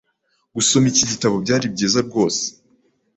Gusoma iki gitabo byari byiza rwose.